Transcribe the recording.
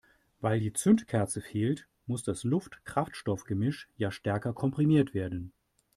Weil die Zündkerze fehlt, muss das Luft-Kraftstoff-Gemisch ja stärker komprimiert werden.